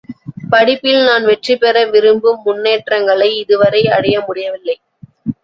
படிப்பில் நான் வெற்றிபெற விரும்பும் முன்னேற்றங்களை இதுவரை அடைய முடியவில்லை.